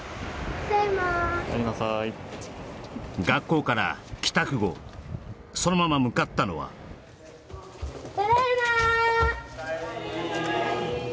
学校から帰宅後そのまま向かったのはただいまー！